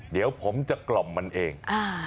เดี๋ยวผมจะกล่อมมันเอง